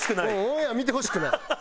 オンエア見てほしくない。